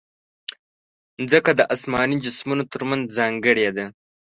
مځکه د اسماني جسمونو ترمنځ ځانګړې ده.